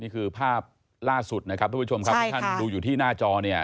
นี่คือภาพล่าสุดนะครับทุกผู้ชมครับที่ท่านดูอยู่ที่หน้าจอเนี่ย